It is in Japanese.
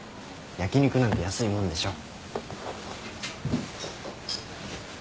焼き肉なんて安いもんでしょ。